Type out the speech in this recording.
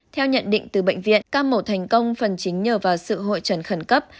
theo nhận định từ bệnh viện ca mổ thành công phần chính nhờ vào sự hội trần khẩn cấp